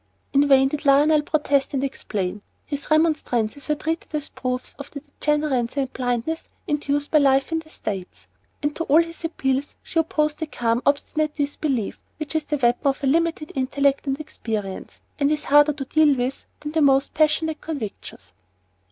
In vain did Lionel protest and explain; his remonstrances were treated as proofs of the degeneracy and blindness induced by life in "The States," and to all his appeals she opposed that calm, obstinate disbelief which is the weapon of a limited intellect and experience, and is harder to deal with than the most passionate convictions.